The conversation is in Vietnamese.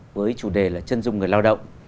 với chủ đề là chân dung người lao động